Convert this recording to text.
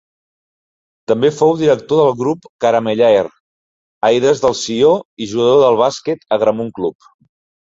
També fou director del Grup Caramellaire Aires del Sió i jugador del Bàsquet Agramunt Club.